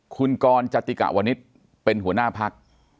คุณกรจติกะวนิษฐ์เป็นหัวหน้าพัก